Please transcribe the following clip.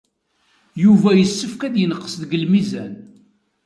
Yuba yessefk ad yenqes deg lmizan.